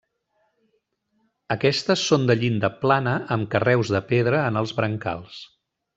Aquestes són de llinda plana amb carreus de pedra en els brancals.